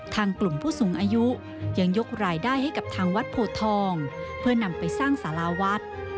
ทางกลุ่มผู้สูงอายุยังยกรายได้ให้กับทางวัดโพทองเพื่อนำไปสร้างสาราวัด